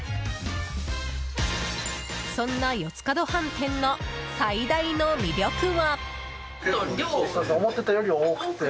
そんな四つ角飯店の最大の魅力は。